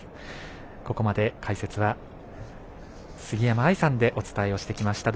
ここまで解説は杉山愛さんでお伝えをしてきました。